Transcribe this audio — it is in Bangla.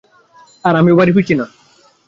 আর আমিও বাড়ি ফিরছি না।